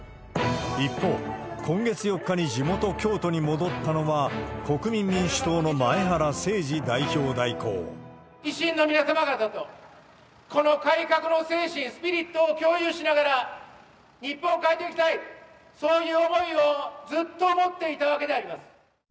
一方、今月４日に地元、京都に戻ったのは、維新の皆様方と、この改革の精神、スピリットを共有しながら、日本を変えていきたい、そういう思いをずっと持っていたわけであります。